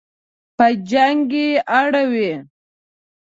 په جنګ یې اړوي.